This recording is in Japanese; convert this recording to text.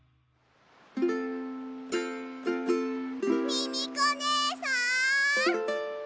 ミミコねえさん！